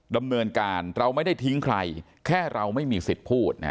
ดำเนินการเราไม่ได้ทิ้งใครแค่เราไม่มีสิทธิ์พูด